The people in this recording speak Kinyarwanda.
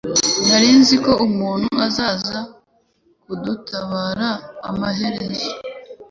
Nari nzi ko umuntu azaza kudutabara amaherezo